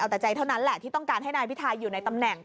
แต่ใจเท่านั้นแหละที่ต้องการให้นายพิทาอยู่ในตำแหน่ง